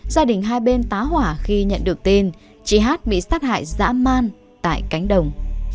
gia đình hai bên tá hỏa khi nhận được tin chị hát bị sát hại dã man tại cánh đồng